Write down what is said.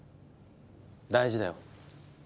大事だよ。